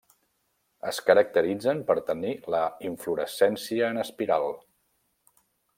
Es caracteritzen per tenir la inflorescència en espiral.